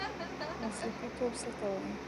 مسلکي توب څه ته وایي؟